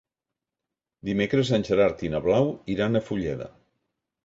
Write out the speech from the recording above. Dimecres en Gerard i na Blau iran a Fulleda.